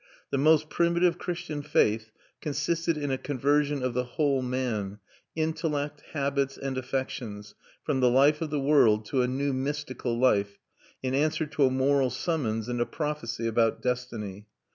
The most primitive Christian faith consisted in a conversion of the whole man intellect, habits, and affections from the life of the world to a new mystical life, in answer to a moral summons and a prophecy about destiny.